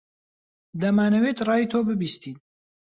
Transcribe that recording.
دەمانەوێت ڕای تۆ ببیستین.